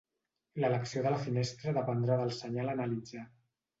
L’elecció de la finestra dependrà del senyal a analitzar.